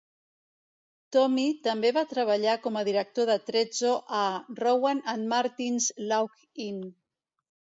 Tommy també va treballar com a director d'atrezzo a "Rowan and Martin 's Laugh-In".